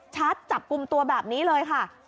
ชัดจับกุมตัวแบบนี้เลยค่ะ